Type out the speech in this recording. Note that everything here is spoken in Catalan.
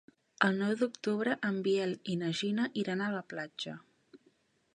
El nou d'octubre en Biel i na Gina iran a la platja.